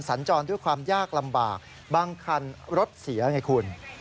สัญจรด้วยความยากลำบากบางคันรถเสียไงคุณ